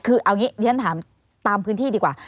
คือเอาอย่างงี้ที่ท่านถามตามพื้นที่ดีกว่า